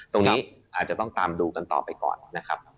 ตรงนี้อาจจะต้องตามดูกันต่อไปก่อนนะครับ